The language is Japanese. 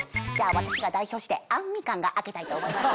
私が代表してアンミカンが開けたいと思います。